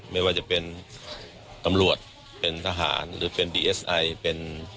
ไม่ว่าจะเป็นตำรวจเป็นทหารหรือเป็นเอ่อ